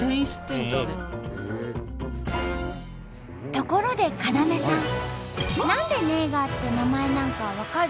ところで要さん何で「ネイガー」って名前なんか分かる？